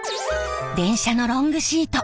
電車のロングシート